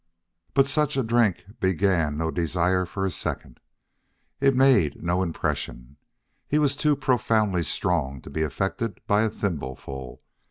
But such a drink began no desire for a second. It made no impression. He was too profoundly strong to be affected by a thimbleful.